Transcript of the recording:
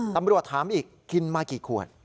ตำรวจถามอีกกินมากี่ขวด